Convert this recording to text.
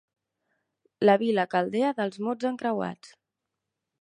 La vila caldea dels mots encreuats.